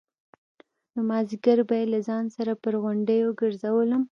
نو مازديگر به يې له ځان سره پر غونډيو گرځولم.